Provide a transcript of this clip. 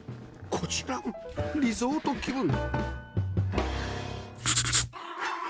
こちらもリゾート気分！